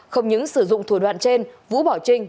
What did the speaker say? không những sử dụng thủ đoạn trên vũ bảo trinh